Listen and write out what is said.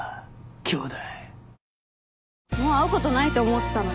兄弟。